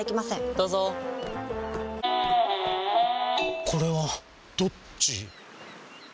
どうぞこれはどっち？